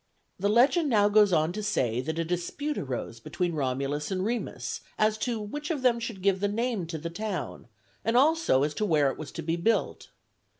The legend now goes on to say that a dispute arose between Romulus and Remus as to which of them should give the name to the town, and also as to where it was to be built.